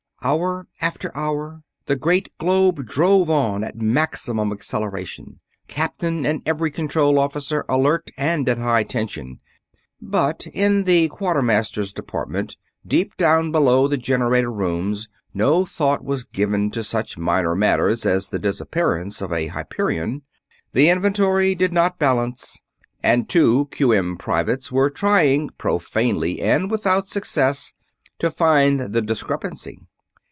Hour after hour the great globe drove on at maximum acceleration, captain and every control officer alert and at high tension. But in Quartermasters' Department, deep down below the generator rooms, no thought was given to such minor matters as the disappearance of a Hyperion. The inventory did not balance, and two Q.M. privates were trying, profanely and without success, to find the discrepancy.